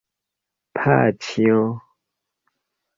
paĉjo